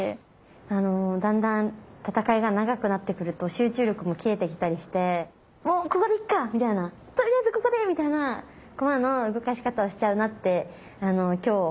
だんだん戦いが長くなってくると集中力も切れてきたりして「もうここでいっか！」みたいな「とりあえずここで！」みたいな駒の動かし方をしちゃうなって今日実感したので。